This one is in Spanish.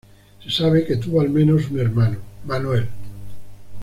Se sabe que tuvo, al menos, un hermano, Manuel.